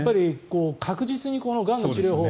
確実にがんの治療法